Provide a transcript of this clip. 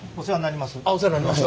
お世話になります。